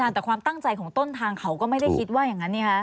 แต่ความตั้งใจของต้นทางเขาก็ไม่ได้คิดว่าอย่างนั้น